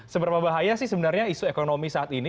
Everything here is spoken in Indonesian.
seberapa bahaya sih sebenarnya isu ekonomi saat ini